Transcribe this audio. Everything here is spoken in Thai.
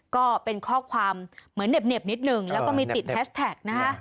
ก็เป็นข้อความเหมือนเหน็บนิดหนึ่งแล้วก็มีติดแฮชแท็กนะคะ